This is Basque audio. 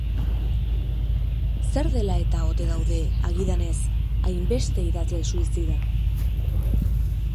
Zer dela eta ote daude, agidanez, hainbeste idazle suizida?